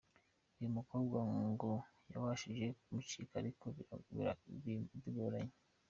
Uyu mukobwa ngo yabashije kumucika ariko bigoranye.